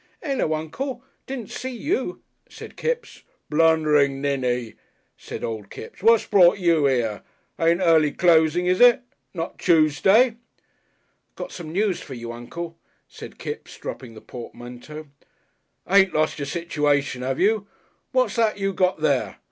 "Ullo, Uncle, didn't see you," said Kipps. "Blunderin' ninny," said Old Kipps. "What's brought you here? Ain't early closing, is it? Not Toosday?" "Got some news for you, Uncle," said Kipps, dropping the portmanteau. "Ain't lost your situation, 'ave you? What's that you got there?